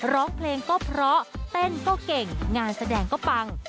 ร้องเพลงก็เพราะเต้นก็เก่งงานแสดงก็ปัง